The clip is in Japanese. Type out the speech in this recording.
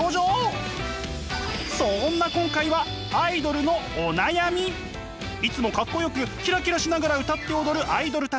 そんな今回はいつもかっこよくキラキラしながら歌って踊るアイドルたち